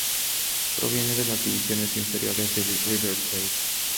Proviene de las divisiones inferiores de River Plate.